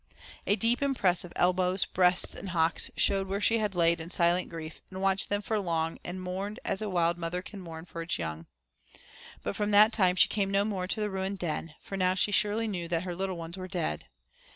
A deep impress of elbows, breasts, and hocks showed where she had laid in silent grief and watched them for long and mourned as a wild mother can mourn for its young. But from that time she came no more to the ruined den, for now she surely knew that her little ones were dead.